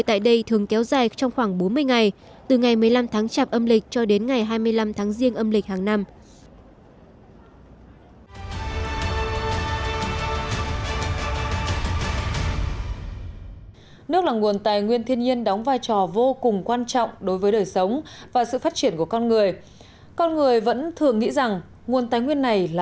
tại đây thường kéo dài trong khoảng bốn mươi ngày